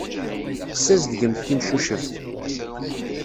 Tessazedgemt timcuceft.